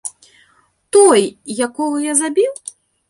Той, якога я забіў?!